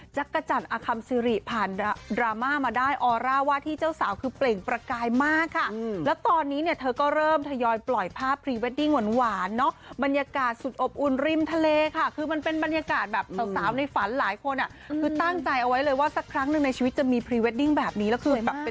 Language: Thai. จักรจันทร์อคัมซิริผ่านดราม่ามาได้ออร่าว่าที่เจ้าสาวคือเปล่งประกายมากค่ะแล้วตอนนี้เนี่ยเธอก็เริ่มทยอยปล่อยภาพพรีเวดดิ้งหวานเนอะบรรยากาศสุดอบอุ่นริมทะเลค่ะคือมันเป็นบรรยากาศแบบสาวในฝันหลายคนอ่ะคือตั้งใจเอาไว้เลยว่าสักครั้งหนึ่งในชีวิตจะมีพรีเวดดิ้งแบบนี้แล้วคือแบบเป็น